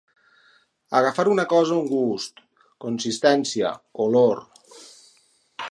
Agafar una cosa un gust, consistència, olor.